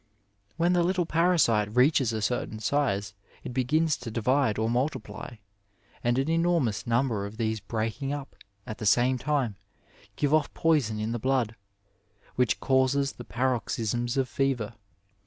When the little parasite reaches a certain size it begins to divide or multiply, and an enormous number of these breaking up at the same time give off poison in the blood, which causes the paroxysms of fever.